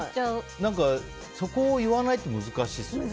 そこを言わないって難しいですよね。